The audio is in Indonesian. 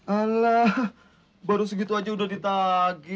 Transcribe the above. alah baru segitu aja udah ditagi